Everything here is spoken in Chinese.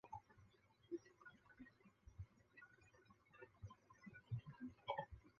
绿岛细柄草为禾本科细柄草属下的一个种。